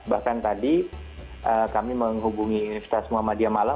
bahkan tadi kami menghubungi universitas muhammadiyah malang